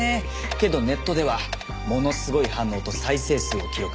けどネットではものすごい反応と再生数を記録。